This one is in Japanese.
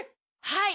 はい。